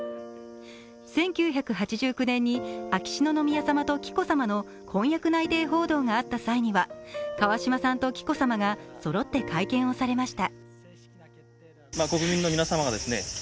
１９８９年に秋篠宮さまと紀子さまの婚約内定報道があった際には川嶋さんと紀子さまがそろって会見をされました。